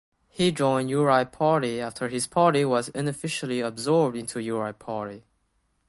He joined Uri Party after his party was unofficially absorbed into Uri Party.